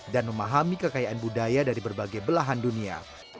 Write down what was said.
dan memahami kekayaan budaya dari berbagai belahan dunia